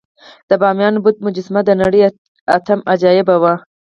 د بامیانو بودا مجسمې د نړۍ اتم عجایب وو